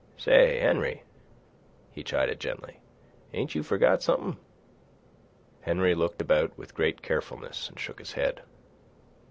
"Say, Henry," he chided gently, "ain't you forgot somethin'?" Henry looked about with great carefulness and shook his head.